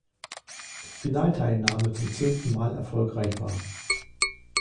Finalteilnahme zum zehnten Mal erfolgreich war.